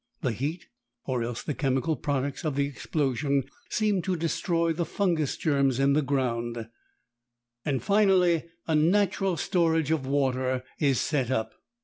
The heat, or else the chemical products of the explosion, seem to destroy the fungus germs in the ground. Finally a natural storage of water is set up.